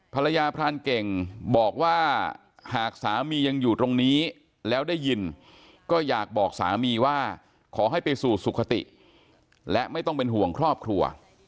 พรานเก่งบอกว่าหากสามียังอยู่ตรงนี้แล้วได้ยินก็อยากบอกสามีว่าขอให้ไปสู่สุขติและไม่ต้องเป็นห่วงครอบครัว